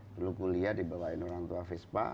dulu kuliah dibawain orang tua vespa